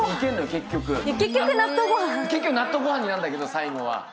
結局納豆ご飯になるんだけど。